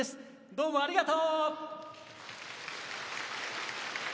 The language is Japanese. どうもありがとう！